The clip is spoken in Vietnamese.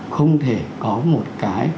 không thể có một cái